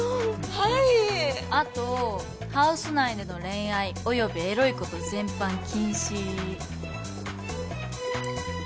はいあとハウス内での恋愛およびエロいこと全般禁止